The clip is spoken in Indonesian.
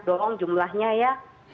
dorong jumlahnya ya